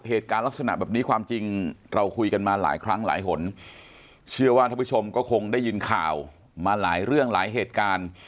เหตุการณ์ลักษณะแบบนี้ความจริงเราคุยกันมาหลายครั้งหลายหนเชื่อว่าท่านผู้ชมก็คงได้ยินข่าวมาหลายเรื่องหลายเหตุการณ์